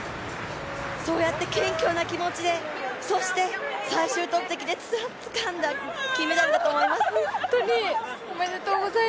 そうやって謙虚な気持ちで、そして最終投てきでつかんだ金メダルだと思います。